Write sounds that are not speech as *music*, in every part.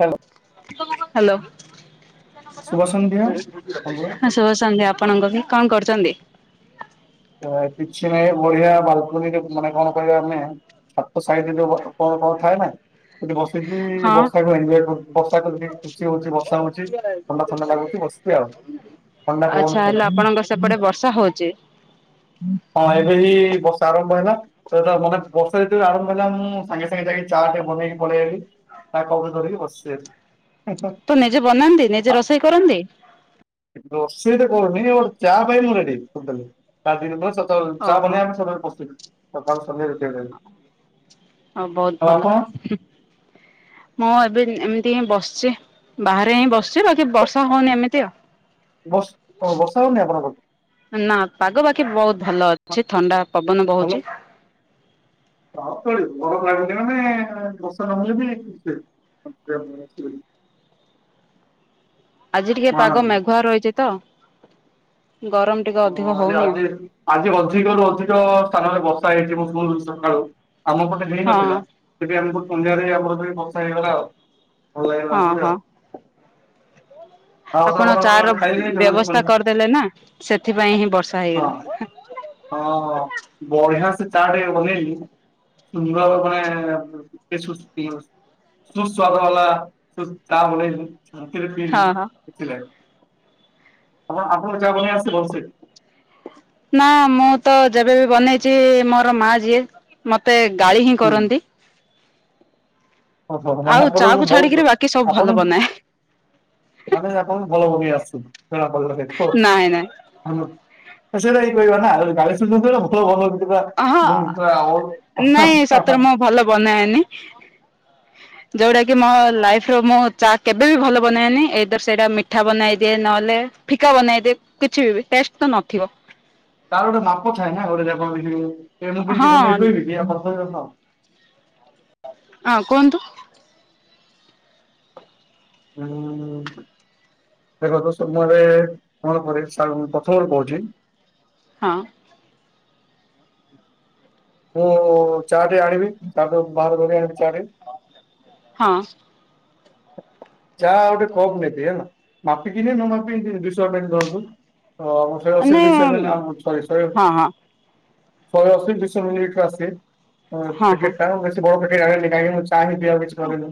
Hello hello. ଶୁଭ ସନ୍ଧ୍ୟା ବନ୍ଧୁ ହଁ ଶୁଭ ସନ୍ଧ୍ୟା ଆପଣଙ୍କୁ ବି। କଣ କରୁଚନ୍ତି? ଅ, କିଛି ନାଇଁ ବଢିଆ ବାଲକୁନିରେ ମାନେ କଣ କହି ଆମେ ଛାତ ସାଇଡ ରେ ଯୋଉ ବ-କଣ କଣ ଥାଏ ନା ସେଠି ବସ ସିକି ହଁ ବର୍ଷାକୁ ଏନଜୟ କରଛୁ। ବର୍ଷାକୁ ଦେଖି ଖୁସି ହଉଚି। ବର୍ଷା ହଉଚି। ଥଣ୍ଡା ଥଣ୍ଡା ଲାଗୁଚି ବସିଚି ଆଉ। ଥଣ୍ଡା ପବନ ଆଚ୍ଛା ହେଲେ ଖାଉଛି ଆପଣଙ୍କ ସେପଟେ ବର୍ଷା ହଉଚି? ହଁ, ଏବେ ହି ବର୍ଷା ଆରମ୍ଭ ହେଲା। ଏବେ ଆ, ମାନେ ବର୍ଷା ଯେତେବେଳେ ଆରମ୍ଭ ହେଲା ମୁଁ ସାଙ୍ଗେ ସାଙ୍ଗେ ଯାଇକି ଚା ଟେ ବନେଇକି ପଳିଆଇଲି ଚା କପ୍ ରେ ଧରିକି ବସିିଚି *unintelligible* ତ ନିଜେ ବନାନ୍ତି ନିଜେ ରୋଷେଇ କରନ୍ତି? ରୋଷେଇଟା କରୁନି ବଟ୍ ଚା ପାଇଁ ମୁଁ ରେଡି ଟୋଟାଲି *unintelligible* ସ ତ ଚା ଓହୋ ବନେଇବା ମୁଁ ସବୁବେଳେ ପ୍ରସ୍ତୁତ ସକାଳ ସନ୍ଧ୍ୟା ଯେତେବେଳେ ବି। ହଁ ବହୁତ ଭଲ ହୁଁ, ମୁଁ ଏବେ ଏମ ତି ହିଁ ବସିଚି। ବାହାରେ ହିଁ ବସଚି ବାକି ବର୍ଷା ହଉନି ଏମିତି ଆଉ। ବସ ଓ ବର୍ଷା ହଉନି ଆପଣଙ୍କର? ଏ ନା ପାଗ ବାକି ବହୁତ ଭଲ ଅଛି। ଥଣ୍ଡା ପବନ ବହୁଚି। ଆଉ ତଳେ ଗରମ ଲାଗୁଚି ନା ନାହିଁ? ଏ ବର୍ଷା ନ ହେଲେ ବି ସେ *unintelligible* ଆଜି ଟିକେ ପାଗ ମେଘୁଆ ରହିଚି ତ। ଗରମ ଟିକେ ହଁ ଅଧିକ ଆଜି ହଉନି ଆଉ ଆଜି ଆଜି ଅଧିକରୁୁ ଅଧିକ ସ୍ଥାନରେ ବର୍ଷା ହେଇଚି ମୁଁ ଶୁଣୁ ସକାଳୁ ଆମ ପଟେ ହେଇ ହଁ ନଥିଲା ତେବେ ଆମ ଫୁ-ସନ୍ଧ୍ୟାରେ ଆମର ଯେ ବର୍ଷ ହେଇଗଲା ଆଉ ଭଲ ଲାଗିଲା ହଁ ଆମକୁ *unintelligible* ଆଉ ହଁ ଆଉ ଆପଣ ଚା କଣ ର ଖାଇଲେଣି ହଁ ବ୍ୟବସ୍ଥା କରିଦେଲେ ନା ସେଥିପାଇଁ ହିଁ ବର୍ଷା ହେଇଗଲା। ହଁ ବଢିଆ ସେ ଚା ଟିକେ ବନେଇଲି ନୂଆ ବୋଉ ମାନେ ପେସ୍ ଉସ ପିଉସ ସୁସ୍ଵାଦ ବାଲା ତୁ ଚା ବନେଇଲି ମୁଁ କେବେ ହଁ ପିଇଲିନି ହଁ *unintelligible* ଆପଣ ଆପଣକୁ ଚା ବନେଇ ଆସେ ଭଲସେ? ନା ମୁଁ ତ ଯେବେ ବି ବନେଇଚି ମୋର ମା ଯିଏ ମୋତେ ଗାଳି ହିଁ କରନ୍ତି। ଓହୋ, ଆଉ ମାନେ ଚା ଆପଣକୁ କୁ ବହୁତ ଛାଡିକିରି ବାକି ସବୁ ଭଲ ଆପଣଙ୍କ ବନାଏ ମାନେ ଆପଣ ଭଲ ବନେଇ ଆସଚି ଜଣାପଡିଲା ସେଠୁ। ନାଇଁ ନାଇଁ ଆମର ତ ସେଇଟା ହିଁ କହିବା ନା। ଯଦି ଗାଳି ଶୁଣିବାକୁ ହେଲେ ଭଲ ବନେଇବ। ହଁ ଯିବା ନାଇଁ ସତରେ *unintelligible* ମୁଁ ଭଲ ବନାଏନି ଯୋଉଟା କି ମୋ ଲାଇଫ୍ ର ମୁଁ ଚା କେବେ ବି ଭଲ ବନାଏନି ଏଇଦର ସେଇଟା ମିଠା ବନାଇ ଦିଏ। ନ କଲେ ଫିକା ବନେଇଦେ କିଛି ବି ଟେଷ୍ଟ ତ ନଥିବ। ତାର ଗୋଟେ ମାପ ଥାଏ ନା। *unintelligible* *unintelligible* ବନେଇ ହଁ ପିଇବି *unintelligible* ହଁ କୁହନ୍ତୁ *unintelligible* ଦେଖନ୍ତୁ ଶୂନ୍ଯରେ ମୋର ପରୀସା ମୁଁ ପ୍ରଥମରୁ କହୁଛି। ହଁ। ମୁଁ ଚା ଟେ ଆଣିବି ତାଠୁ ବାହାର କରି ଆଣି ହଁ। ଚା ଗୋଟେ କପ୍ ନେବି ହେଲା ମାପିକିନି ନ ମାପିକି ଦୁଇଶ ଏମଏଲ ଧରୁ ଅ, ମୁଁ ସେ ଅଶି ମାନେ ଢିସେମିଲ ଆଣୁ ସରି ଶଏ ଶଏ ହଁ ହଁ ଶଏ ଅଶୀ ଦୁଇଶହ ମିଲିଲିଟର ଆସେ ଅଁ, ହଁ ପେକେଟ୍ ଟା ମୁଁ ସେ ବେଶୀ ବଡ ପେକେଟ୍ ଆଣେନି କାହିଁକି ନା ହଉଚୁ ପାଣି ପିଇବାକୁ ଯୁଜ୍ କରିନୁ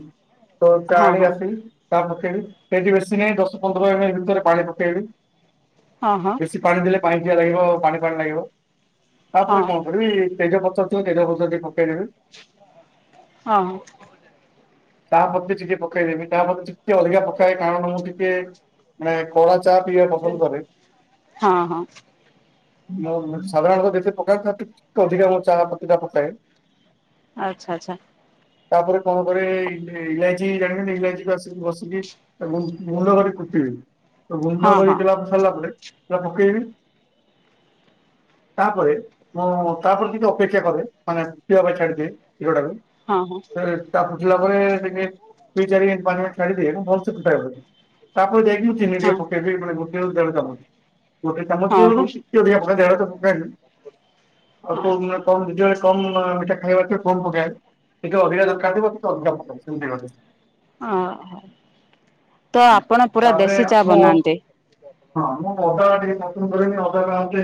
ତୋ ହଁ କାଣି ହଁ ଆସିନି। ତା ପକେଇବି ସେଠି ବେଶୀ ନାହିଁ ଦଶ ପନ୍ଦର ଏମେଲ୍ ଭିତରେ ପାଣି ପକେଇବି। ହଁ ହଁ ହଁ ବେଶୀ ପାଣି ଦେଲେ ପାଣିଚିଆ ଲାଗିବ ପାଣି ପାାଣି ଲାଗିବ। ତାପରେ କଣ କରିବି ତେଜ ପତ୍ର ଥିବ ତେଜ ପତ୍ର ଟିକେ ପକେଇ ଦେବେ। ହଁ। ଚା ପତି ଟିକେ ପକେଇଦେମି। ଚା' ପତି ଟିକେ ଅଧିକା ପକାଏ। କାରଣ ମୁଁ ଟିକେ ମାନେ କଡା ଚା' ଚା' ପିଇବା ପସନ୍ଦ କରେ। ହଁ ହଁ ମୁଁ ସାଧାରଣତଃ ଯେତେ ପକାଏ, ତା ଟିକେ ଅଧିକା ଚାହା ପତି ଟା ପକାଏ। ଆଚ୍ଛା ଆଚ୍ଛା, ତା'ପରେ କଣ କରେ? ଇଲାଇଚୀ ଜାଣିଛନ୍ତି, ଇଲାଇଚୀକୁ ଆସିକି ବସିକି ଏବଂ ଗୁଣ୍ଡ କରି କୁଟିବେ। ଗୁଣ୍ଡ ହଁ କରି ହଁ *unintelligible* ସାରିଲା ପରେ ଚା' ପକେଇବି। ତା'ପରେ ମୁଁ, ତା'ପରେ ଟିକେ ଅପେକ୍ଷା କରେ। ମାନେ ପିଇବା ପାଇଁ ଛାଡିଦିଏ। କ୍ଷୀରଟାକୁ! ହଁ ହଁ ତା ଫୁଟିଲା ପରେ ଟିକେ ରେଷ୍ଟ, ଦୁଇ ଚାରି ମିନ୍ ପାଞ୍ଚ ମିନିଟ୍ ଛାଡିଦିଏ। ମୁଁ ଭଲ୍ ସେ ଫୁଟାଏ *unintelligible* ତାପରେ ଯାଇକି ଚିନିଟିକେ ହଁ ପକେଇବି ମାନେ, ଗୋଟେ ଦେଢ଼ ଚାମଚ। ଗୋଟେ ଚାମଚ ରୁ ହଁ ଟିକେ ଅଧିକା ପକାଏ। ଦେଢ଼ ଚା ପକାଏନି ହଁ ହଁ *unintelligible* କମ୍ ମିଠା ଖାଇବାର ଥିବ, କମ୍ ପକାଏ। ଟିକେ ଅଧିକା ଦରକାର ଥିବ, ଟିକେ ଅଧିକା ପକାଏ। ସେମିତି ଓହୋ! ତ ଆପଣ ପୁରା ତାପରେ ଦେଶୀ ଚା ମୁଁ ବନାନ୍ତି। ହଁ, ମୁଁ ଅଦା ଟିକେ ପସନ୍ଦ କରେନି। ଅଦାଟା ହଉଛି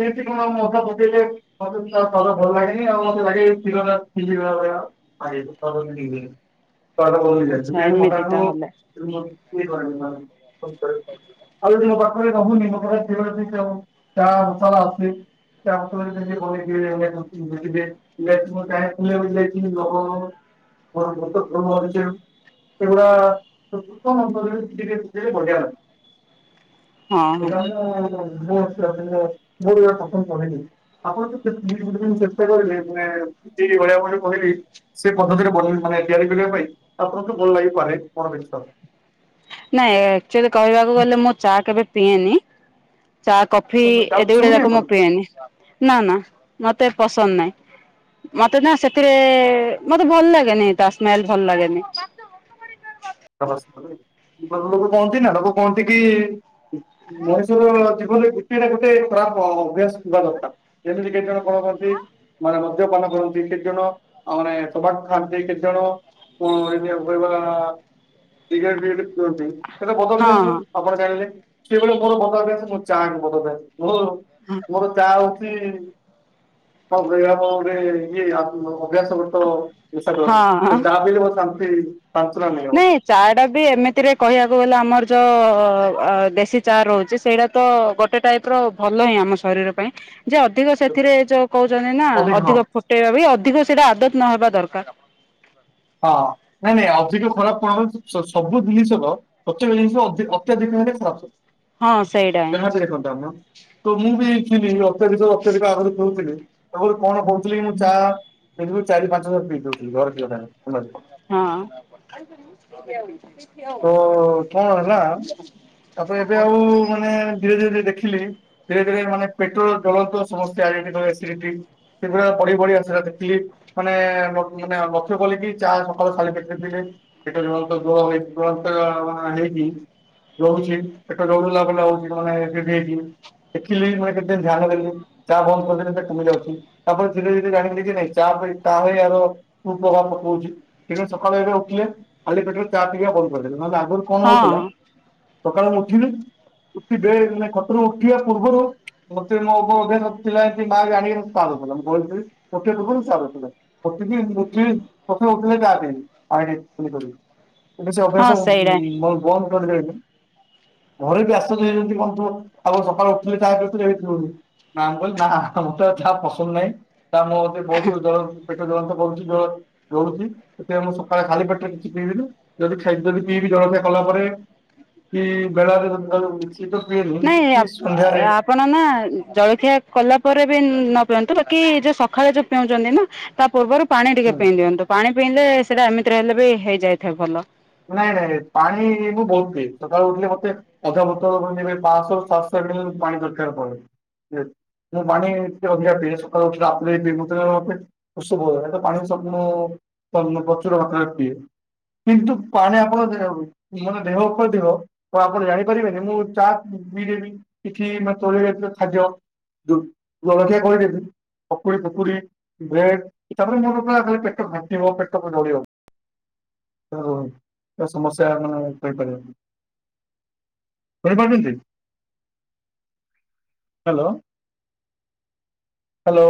କିମିତି କଣ ମୁଁ ଅଦା ପକେଇଲେ ମୋତେ *unintelligible* ମତେ ଭଲ ଲାଗେନି ଆଉ। ମତେ ଲାଗେ କ୍ଷୀରଟା ଛିଣ୍ଡି ଗଲା ଭଳିଆ ଲାଗେ ଆଚ୍ଛା ଏମିତି ତାହେଲେ *unintelligible* *unintelligible* ଇଏ କରେନି ମାନେ *unintelligible* ତା ଉସଲା ଅଛି। *unintelligible* *unintelligible* ସେଗୁଡା, ସବୁ କ-କଣ କରିବେ? ଟିକେ ଟିକେ ଟିକେ ବଢିଆ ନାଗି ହଁ ହଁ *inaudible* ପ୍ରଥମ ପଢ଼େଇ ଦେଇଛି। ଆପଣ *unintelligible* ଚେଷ୍ଟା କରିବେ ମାନେ ଏ ଭଳିଆ *unintelligible* କହିଲି ସେ ପଦ୍ଧତିରେ ବଢେଇ ପ୍ରାୟ ତିଆରି କରିବା ପାଇଁ, ଆପଣଙ୍କୁ ଭଲ ଲାଗିପାରେ ମୋର ବିଶ୍ୱାସ। ନାଇଁ, ଆକ୍ଚୁଆଲି କହିବାକୁ ଗଲେ, ମୁଁ ଚା କେବେ ପିଏନି? ଚା, କଫି ତ ଏ ଯାହାକୁ ଦି ଗୁଡା ଶୁଣିବେ ଯାକ ମୁଁ ଆପଣ ପିଏନି। ନା, ନା ମତେ ପସନ୍ଦ ନାହିଁ। ମତେ ନା ସେଥିରେ-ରେ, ମତେ ଭଲ ଲାଗେନି! ତା ସ୍ମେଲ ଭଲ ଲାଗେନି। *inaudible* *unintelligible* ଲୋକ କହନ୍ତି ନା ଲୋକ କହନ୍ତି କି ମଣିଷର ଜୀବନ କହିଲେ ଗୋଟେ ନା ଗୋଟେ ଖରାପ ଅଭ୍ୟାସ ଥିବା ଦରକାର। ଯେମିତି କେତ ଜଣ କଣ କରନ୍ତି ମାନେ ମଦ୍ୟପାନ କରନ୍ତି କେତେ ଜଣ, ଆଉ ମାନେ ତବାକୁ ଖାଆନ୍ତି କେତେଜଣ, କୋ ଏଇନିଆ ହୋଇବା ସିଗାରେଟ ଫିଗାରେଟ୍ ପିଅନ୍ତି। ଏତ ବଦ ହଁ ଅଭ୍ୟାସ ଆପଣ ଜାଣିଲେ। ସେଭଳିଆ ମୋର ବଦଅଭ୍ୟାସ ମୋ ଚା ହିଁ ବଦଅଭ୍ୟାସ। ମୋର ମୋର ଚା ଆଉ *unintelligible* *unintelligible* ନିଶା ଦ୍ରବ୍ୟ। ହଁ ହଁ ଚା ପିଇଲେ ମତେ ଶାନ୍ତି, ନାଇଁ *unintelligible* ଚା ଟା ବି ଏମିତିରେ କହିଆକୁ ଗଲେ ଆମର ଯଉ-ଉ ଦେଶୀ ଚା ରହୁଛି, ସେଇଟା ତ ଗୋଟେ ଟାଇପ୍ ର ଭଲ ହିଁ ଆମ ଶରୀର ପାଇଁ। ଯ ଅଧିକ ସେଥିରେ ଯୋଉ କହୁଛନ୍ତି ନା, ଅଧିକ ଫୁଟେଇବା ବି ଅଧ ତିକ ସେଇଟା ଆଦତ ନହେବା ଦରକାର! ହଁ, ନାଇଁ ନାଇଁ ଅଧିକ ଖରାପ କଣ ହ ସ-ସବୁ ଜିନିଷର ପ୍ରତ୍ୟେକ ଜିନିଷ ଅଧି ଅତ୍ୟଧିକ *unintelligible* ହଁ ସେଇଟା ହିଁ ଯାହା ବିଦେଖନ୍ତୁ ଆପଣ! ତମୁବି ଥିଲି, ଅତ୍ୟଧିକ ଅତ୍ୟଧିକ ଆଗରୁ ପିଉଥିଲି ଏବଂ କଣ କହୁଥିଲି ମୁଁ ଚା ଫିରବି ଚାରିପାଞ୍ଚଥର ପିଉଦଉଥିଲି । ଘରେ ଥିଲା ଟାଇମ୍ ହେଲା ହଁ, ତ କଣ ହେଲା *inaudible* ତା'ପରେ ଏବେ ଆଉ ମାନେ ଧୀରେ ଧୀରେ ଦେଖିଲି, ଧୀରେ ଧୀରେ ମାନେ ପେଟ୍ର ଜଳନ୍ତ ସମସ୍ୟା ହେଇ, କେତେବେଳେ ଏସିଡ଼ିଟି ଏଗୁଡା ବଢି ବଢି ଆସିଲା! ଦେଖିଲି, ମାନେ ମାନେ ଲକ୍ଷ୍ୟ କଲି କି ଚା ସକାଳୁ ଖାଲି ପେଟ ରେ ପି ଦେଇଚି ପେଟ ଜୋର୍ ତ *unintelligible* ହେଇଚି। ଜଳୁଛି ପେଟ ଜଳୁ ଯାହା କଲେ ଆଉ ଚା ପିବ ମାନେ ଏସି ଡିଟି ହେଇଚି। ଦେଖିଲେ ବି ମାନେ କେତେ ଧ୍ୟାନ ଦେଲି ଚା ବନ୍ଦ କରିଦେଲେ ସେଟା କମି ଯାଉଛି ତାପରେ ଧୀରେ ଧୀରେ ଜାଣିଲି ଯେ ନାଇଁ ଚା ହଁ ଭାଈ ତା ପାଇଁ ୟାର କୁ ପ୍ରଭାବ ପକଉଛି। ଦିନେ ସକାଳେ ଇଆଡେ ଉଠିଲେ ଖାଲି ପେଟରେ ଚା ପିଇବା ବନ୍ଦ କରିଦେଲେ ନହେଲେ ଆଗରୁ କଣ ହଁ ହଉଥିଲା। ହଁ ସକାଳୁ ମୁଁ ଉଠିଲି ଉଠିବେ ମାନେ ଖଟରୁ ଉଠିବା ପୂର୍ବରୁ। ମୋତେ ମୋ ବୋଉ ଅଭ୍ୟାସ ଥିଲା ଏମିତି ମା ଜାଣିକିରି ଚା ଦଉଥିଲା ମୁଁ ଶୋଇଥିବି ଉଠିବା ପୂର୍ବ ରୁ ଚା ଦଉଥିଲା ପ ଥିଲି ମୁଁ ଉଠିବି ପ ମୁଁ ଉଠିଲେ ଚା ପିଇବି ଆଗେ ଇଏ କରିବି ଏବେ ସେ ହଁ ଅଭ୍ୟାସ ଉଁ ସେଇଟା ହିଁ। ବନ୍ଦ ବନ୍ଦ କରିଦେଇଚି। *inaudible* ଘରେ ବି ଆଶ୍ଚର୍ଯ୍ୟ ହେଇଯାଉଛନ୍ତି କଣ ପୁଅ ଆଗରୁ ସକାଳୁ ଉଠିଲେ ଚା ପିଉଥିଲୁ ଏବେ ପିଉନୁ। ମା କୁ କହିଲି ମା ତ ମତେ ଆଉ ଚାହା ପସନ୍ଦ ନାହିଁ। ନା ମୋତେ ବହୁତୁ ଜଳ ପେଟ ଜଳନ୍ତ କରୁଚି ଜ। ଜଳୁଛି ସେଥିପାଇଁ ମୁଁ ସକାଳେ ଖାଲି ପେଟରେ କିଛି ପିଇବିନି ଯଦି ଖାଇଦେବି ପିଇବି ଜଳଖିଆ କଲା ପରେ। କି ବେଳା ରେ ମୁଣ୍ଡ ବିନ୍ଧୁଚି। ନାଇଁ ଆ-ଆପଣ ନା ଜଳଖିଆ କଲା ପରେ ବି ନ ପିଅନ୍ତୁ ବାକି ଯୋଉ ସକାଳେ ଯୋଉ ପିଉଛନ୍ତି ନା ତା ପୂର୍ବରୁ ପାଣି ଟିକେ ହୁଁ। ପିଇ ଦିଅନ୍ତୁ ପାଣି ପିଇଲେ ସେଇଟା ଏମିତି ରହିଲେ ବି ହେଇଯାଇଥାଏ ଭଲ। ନାଇଁ ନାଇଁ ପାଣି ମୁଁ ବହୁତ ପିଏ ସକାଳୁ ଉଠିଲେ ମତେ ଅଧା ବୋତଲ ନ ହେଲେ ବି ପାଂଶହ ସାତଶହ *unintelligible* ପାଣି ଦରକାର ପଡେ ୟେସ। ନା ପାଣି ଟିକେ ଅଧିକା ପିଏ ସକାଳୁ ଉଠିଲା ମାତ୍ରେ ଦିନକୁ ତ ମତେ ଶୋଷ ବହୁତ୍ ଏଟା ପାଣି ସବୁଦିନ ପନ ପ୍ରଚୁର ମାତ୍ରା ରେ ପିଏ କିନ୍ତୁ ପାଣି ଆପଣ ଯେ ମାନେ ଦେହ ତ ଦେହ ଓ ଆପଣ ଜାଣିପାରିବେନି ମୁଁ ଚା ପି ଦେବି। କିଛି ନା ତୈଳ ଜାତୀୟ ଖାଦ୍ୟ ଦୁ ଜଳଖିଆ କରିଦେଇଥିମ୍। ପକୁଡି ଫକୁଡି ବ୍ରେଡ ଏ ତାପରେ ମୋର କଣ ଖାଲି ପେଟ ଘାଣ୍ଟିବ ପେଟ କ ନଳିବ। ଆଉ ଆଉ ସମସ୍ୟା ମାନେ କହିପାରିବନି। ଶୁଣି ପାରୁଛନ୍ତି। Hello hello.